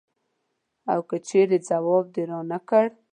او که چېرې ځواب دې رانه کړ.